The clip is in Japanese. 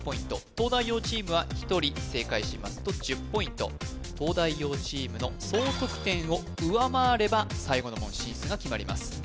東大王チームは１人正解しますと１０ポイント東大王チームの総得点を上回れば最後の門進出が決まります